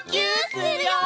するよ！